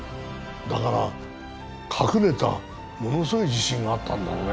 だから隠れたものすごい自信があったんだろうね。